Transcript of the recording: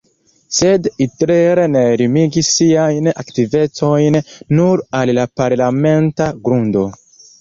Sed Hitler ne limigis siajn aktivecojn nur al la parlamenta grundo.